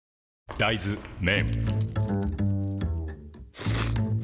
大豆麺